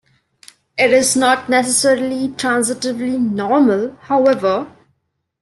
It is not necessarily transitively normal, however.